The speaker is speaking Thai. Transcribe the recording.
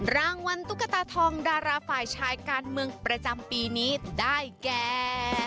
รางวัลตุ๊กตาทองดาราฝ่ายชายการเมืองประจำปีนี้ได้แก่